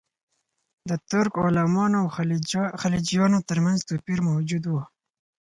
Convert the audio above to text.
د ترک غلامانو او خلجیانو ترمنځ توپیر موجود و.